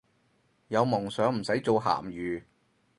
有夢想唔使做鹹魚